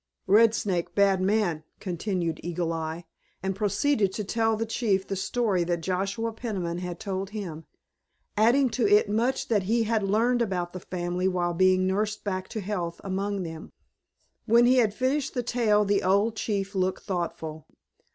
"Red Snake bad man," continued Eagle Eye, and proceeded to tell the chief the story that Joshua Peniman had told him, adding to it much that he had learned about the family while being nursed back to health among them. When he had finished the tale the old chief looked thoughtful.